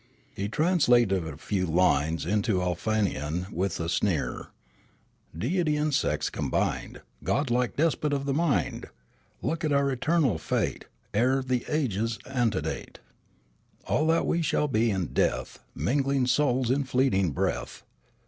He translated a few lines into Aleofanian with a sneer: Deity and sex combined, Godlike despot of the mind ! Look on our eternal fate. Ere the ages antedate All that we shall be in death. Mingling souls in fleeting breath.